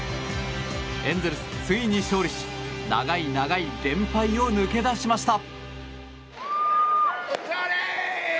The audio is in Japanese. エンゼルス、ついに勝利し長い長い連敗を抜け出しました。